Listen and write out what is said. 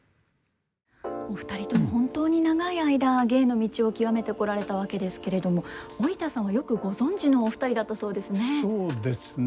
お二人とも本当に長い間芸の道を極めてこられたわけですけれども織田さんはよくご存じのお二人だったそうですね？